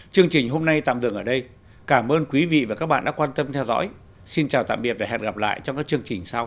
chương trình hôm nay tạm dừng ở đây cảm ơn quý vị và các bạn đã quan tâm theo dõi xin chào tạm biệt và hẹn gặp lại trong các chương trình sau